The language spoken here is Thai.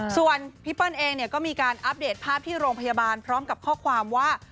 ส่วนพี่เปิ้ลเองเนี่ยก็มีการอัปเดตภาพที่โรงพยาบาลพร้อมกับข้อความว่า